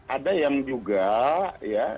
ada yang juga ya